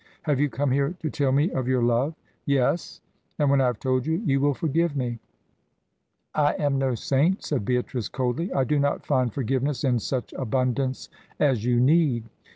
"Have you come here to tell me of your love?" "Yes. And when I have told you, you will forgive me." "I am no saint," said Beatrice, coldly. "I do not find forgiveness in such abundance as you need."